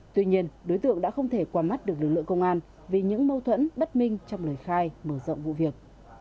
tuy nhiên đối tượng đã không thể qua mắt được lực lượng công an vì những mâu thuẫn bất minh trong lời khai mở rộng vụ việc